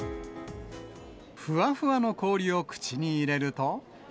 ふわふわの氷を口に入れると。